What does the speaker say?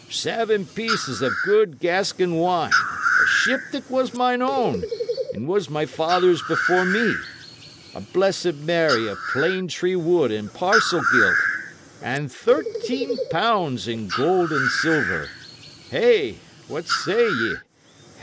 Seven pieces of good Gascon wine, a ship that was mine own, and was my father's before me, a Blessed Mary of plane tree wood and parcel gilt, and thirteen pounds in gold and silver. Hey! what say ye?